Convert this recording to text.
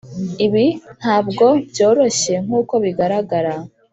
ibi ntabwo byoroshye nkuko bigaragara.